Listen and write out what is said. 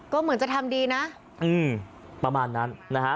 ก็เหมือนจะทำดีนะอืมประมาณนั้นนะฮะ